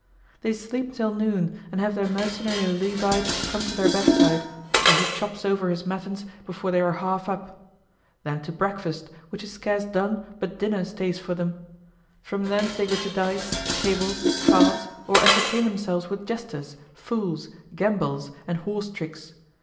They sleep till noon and have their mercenary Levite come to their bedside, where he chops over his matins before they are half up. Then to breakfast, which is scarce done but dinner stays for them. From thence they go to dice, tables, cards, or entertain themselves with jesters, fools, gambols, and horse tricks.